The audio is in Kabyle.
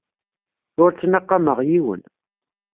Ur ttnaqameɣ yiwen.